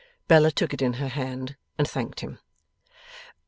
Bella took it in her hand, and thanked him.